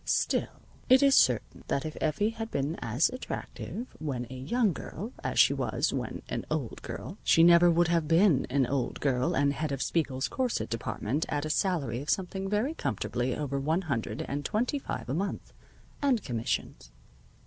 Still, it is certain that if Effie had been as attractive when a young girl as she was when an old girl, she never would have been an old girl and head of Spiegel's corset department at a salary of something very comfortably over one hundred and twenty five a month (and commissions).